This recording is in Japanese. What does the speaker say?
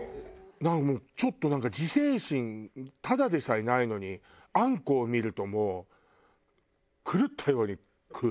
だからもうちょっとなんか自制心ただでさえないのにあんこを見るともう狂ったように食う。